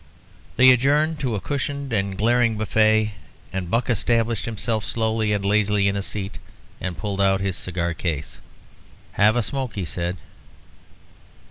They adjourned to a cushioned and glaring buffet, and Buck established himself slowly and lazily in a seat, and pulled out his cigar case. "Have a smoke," he said.